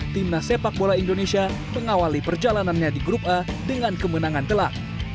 timnas sepak bola indonesia mengawali perjalanannya di grup a dengan kemenangan telak